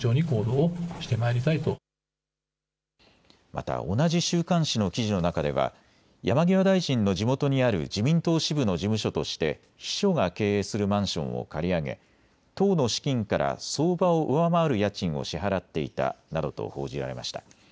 また同じ週刊誌の記事の中では山際大臣の地元にある自民党支部の事務所として秘書が経営するマンションを借り上げ党の資金から相場を上回る家賃を支払っていたなどと報じられました。